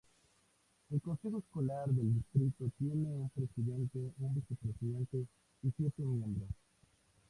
El consejo escolar del distrito tiene un presidente, un vicepresidente, y siete miembros.